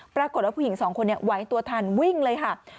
ปรากฏว่าผู้หญิงสองคนไหวตัวทันวิ่งเลยค่ะ